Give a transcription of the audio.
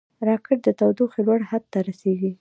راکټ د تودوخې لوړ حد ته رسېږي